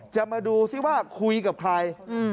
จะมาดูซิว่าคุยกับใคร